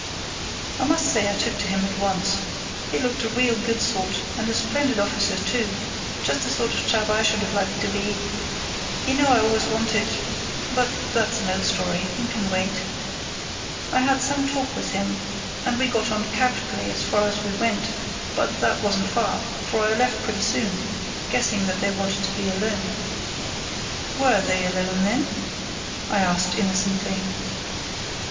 "I must say I took to him at once. He looked a real good sort, and a splendid officer, too—just the sort of chap I should have liked to be. You know I always wanted—but that's an old story, and can wait. I had some talk with him, and we got on capitally as far as we went, but that wasn't far, for I left pretty soon, guessing that they wanted to be alone." "Were they alone then?" I asked, innocently.